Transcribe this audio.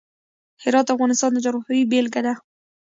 هرات د افغانستان د جغرافیې بېلګه ده.